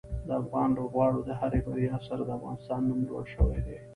د افغان لوبغاړو د هرې بریا سره د افغانستان نوم لوړ شوی دی.